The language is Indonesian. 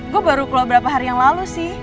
gue baru keluar berapa hari yang lalu sih